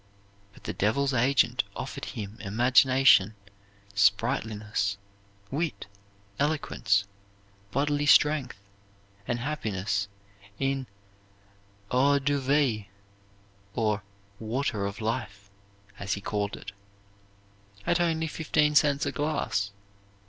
But the Devil's agent offered him imagination, sprightliness, wit, eloquence, bodily strength, and happiness in eau de vie, or "water of life," as he called it, at only fifteen cents a glass.